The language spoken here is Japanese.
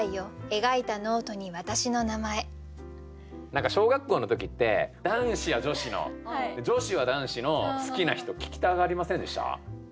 何か小学校の時って男子は女子の女子は男子の好きな人聞きたがりませんでした？